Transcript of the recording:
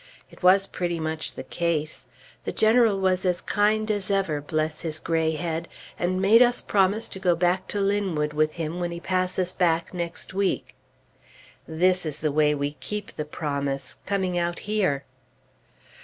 It was pretty much the case. The General was as kind as ever, bless his gray head! and made us promise to go back to Linwood with him when he passes back next week. This is the way we keep the promise coming out here.